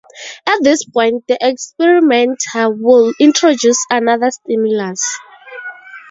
At this point, the experimenter will introduce another stimulus.